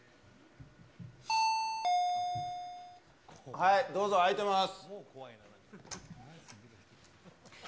はーい、どうぞ、開いてます。